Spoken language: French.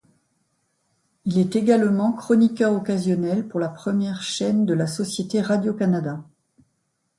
Il est également chroniqueur occasionnel pour la Première Chaîne de la Société Radio-Canada.